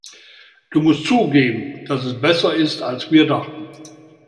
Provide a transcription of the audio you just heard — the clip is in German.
Du musst zugeben, dass es besser ist, als wir dachten.